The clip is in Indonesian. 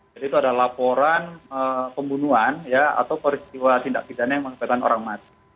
jadi itu ada laporan pembunuhan ya atau peristiwa tindak pidana yang mengakibatkan orang masing